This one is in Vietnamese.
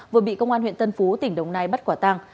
vừa bị công an huyện tân phú tỉnh đồng nai bắt quả tăng